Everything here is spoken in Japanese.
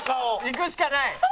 いくしかない！